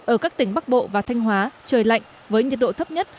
ở các tỉnh bắc bộ và thanh hóa trời lạnh với nhiệt độ thấp nhất